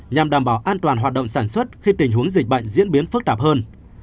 nhằm đảm bảo an toàn hoạt động sản xuất khi tình huống dịch bệnh diễn biến phức tạp hơn